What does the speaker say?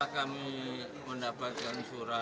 kami mendapatkan surat